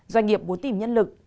doanh nghiệp muốn tìm nhân lực